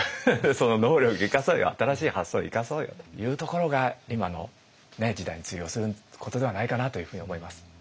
その能力生かそうよ新しい発想生かそうよというところが今の時代に通用することではないかなというふうに思います。